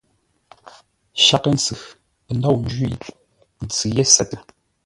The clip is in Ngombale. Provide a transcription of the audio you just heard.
Shaghʼə-ntsʉ pə̂ ndôu ńjwî, ntsʉ ye sətə.